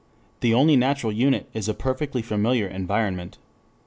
The only natural unit is a perfectly familiar environment.